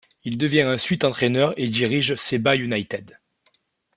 Il devient ensuite entraîneur et dirige Seba United.